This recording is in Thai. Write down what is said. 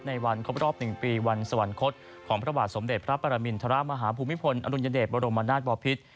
ในวันครบรอบ๑ปีวันสวรรคตของพระบาทสมเด็จพระปรมินทรมาฮภูมิพลอดุลยเดชบรมนาศบอพิษ